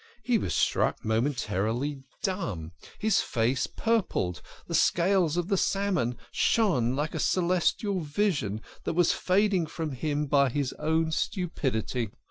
He was struck momen tarily dumb. His face purpled. The scales of the salmon shone like a celestial vision that was fading from him by his own stupidity.